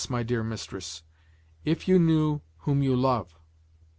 my dear mistress, if you knew whom you love!